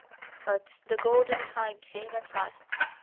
But the golden time came at last.